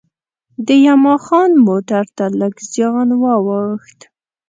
د یما خان موټر ته لږ زیان وا ووښت.